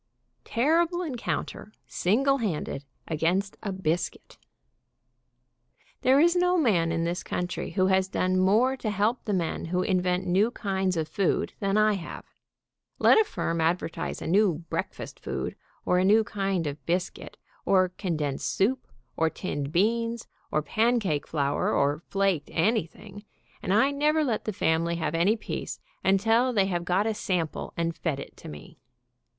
TERRIBLE ENCOUNTER SINGLE HANDED AGAINST A BISCUIT. There is no man in this country who has done more to help the men who invent new kinds of food than I have. Let a firm advertise a new breakfast food, or a new kind of biscuit, or condensed soup, or tinned beans, or pancake flour, or flaked anything, and I never let the family have any peace until they have got a sample and fed it to me.